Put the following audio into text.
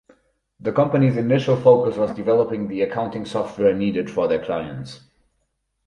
The company's initial focus was developing the accounting software needed for their clients.